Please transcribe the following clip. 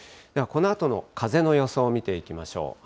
ではこのあとの風の予想を見ていきましょう。